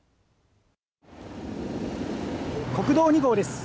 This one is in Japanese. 国道２号です。